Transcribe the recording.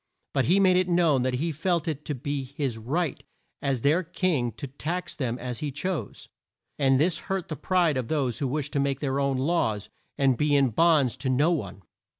But he made it known that he felt it to be his right as their king to tax them as he chose, and this hurt the pride of those who wished to make their own laws, and be in bonds to no one.